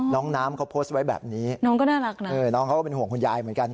น้องน้ำเขาโพสต์ไว้แบบนี้น้องก็น่ารักนะเออน้องเขาก็เป็นห่วงคุณยายเหมือนกัน